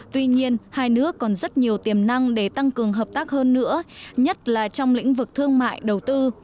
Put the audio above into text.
tuy nhiên hai nước còn rất nhiều tiềm năng để tăng cường hợp tác hơn nữa nhất là trong lĩnh vực thương mại đầu tư